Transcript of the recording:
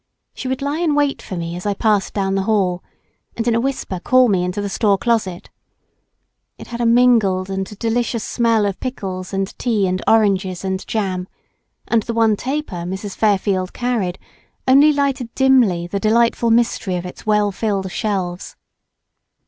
She would lie in wait for me as I passed down the hall, and in a whisper call me into the store closet. It had a mingled and delicious smell of pickles and tea and oranges and jam, and the one taper Mrs. Fairfield carried only lighted dimly the delightful mystery of its well filled shelves.